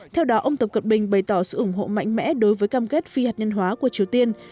theo đó ông tập cận bình bày tỏ sự ủng hộ mạnh mẽ đối với cam kết phi hạt nhân hóa của triều tiên